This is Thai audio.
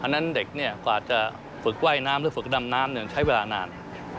อันนั้นเด็กก็อาจจะฝึกว่ายน้ำหรือฝึกดำน้ำใช้เวลานาน